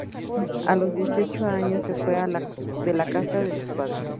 A los dieciocho años, se fue de la casa de sus padres.